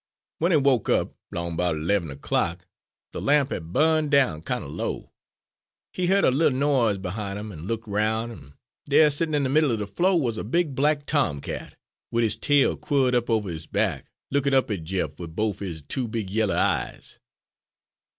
"W'en he woke up, 'long 'bout 'leven erclock, de lamp had bu'n' down kinder low. He heared a little noise behind him an' look 'roun', an' dere settin' in de middle er de flo' wuz a big black tomcat, wid his tail quirled up over his back, lookin' up at Jeff wid bofe his two big yaller eyes.